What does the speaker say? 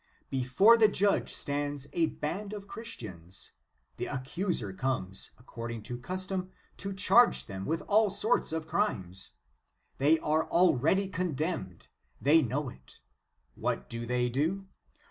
Before the judge stands a band of Christians. The accuser comes, according to custom, to charge o <_> them with all sorts of crimes. They are already condemned ; they know it. What do they do